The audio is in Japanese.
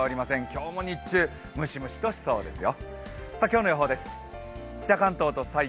今日も日中、ムシムシとしそうですよ。